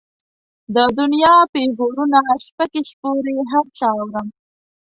د دنيا پېغورونه، سپکې سپورې هر څه اورم.